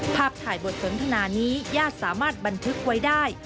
ภาพถ่ายบทสนทนานี้ญาติสามารถบันทึกไว้ได้